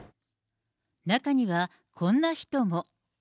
中には、こんな人も。